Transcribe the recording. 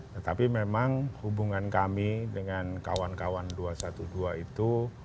tetapi memang hubungan kami dengan kawan kawan dua ratus dua belas itu